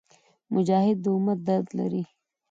مجاهد د امت درد لري.